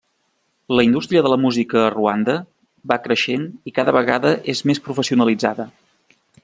La indústria de la música a Ruanda va creixent i cada vegada és més professionalitzada.